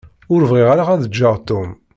Ur bɣiɣ ara ad ǧǧeɣ Tom.